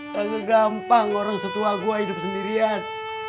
terlalu gampang orang setua gue hidup sendirian